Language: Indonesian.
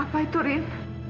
apa itu rin